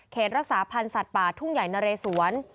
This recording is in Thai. รักษาพันธ์สัตว์ป่าทุ่งใหญ่นะเรสวน